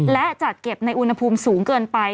และจัดเก็บในอุณหภูมิสูงเกินไป